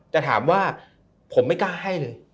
แต่ถามว่าผมไม่กล้าให้เลย